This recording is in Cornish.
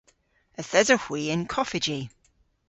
Yth esowgh hwi y'n koffiji.